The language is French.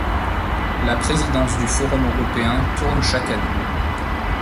La présidence du Forum européen tourne chaque année.